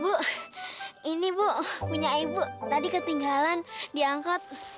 bu ini bu punya ibu tadi ketinggalan diangkut